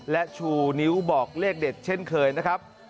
และชูนิ้วบอกเลขเด็ดเช่นเคยนะครับ